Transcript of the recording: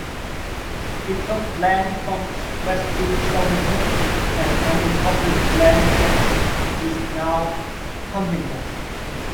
It took land from Westfield, Southampton, and unincorporated land that is now Huntington.